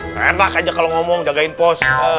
hedah kan kalau ngomong jagain pos